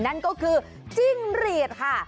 นั่นก็คือจิ้งหรีดค่ะ